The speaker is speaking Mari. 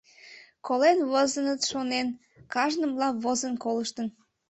Колен возыныт шонен, кажным лап возын колыштын.